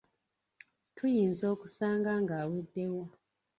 Tuyinza okusanga ng’aweddewo.